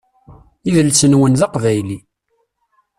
Idles-nwen d aqbayli.